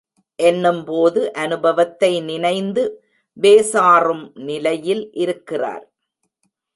என்னும்போது அநுபவத்தை நினைந்து வேசாறும் நிலையில் இருக்கிறார்.